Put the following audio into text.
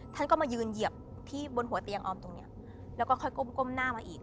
ท่านก็มายืนเหยียบที่บนหัวเตียงออมตรงเนี้ยแล้วก็ค่อยก้มหน้ามาอีก